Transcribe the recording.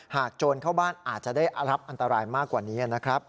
โจรเข้าบ้านอาจจะได้รับอันตรายมากกว่านี้นะครับ